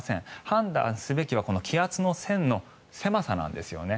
判断すべきは気圧の線の狭さなんですよね。